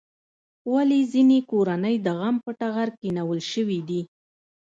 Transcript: ولې ځینې کورنۍ د غم په ټغر کېنول شوې دي؟